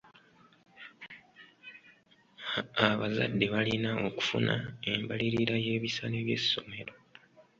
Abazadde balina okufuna embalirira y'ebisale by'essomero.